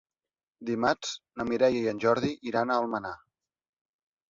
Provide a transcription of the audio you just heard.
Dimarts na Mireia i en Jordi iran a Almenar.